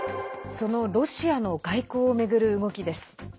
そのロシアの外交を巡る動きです。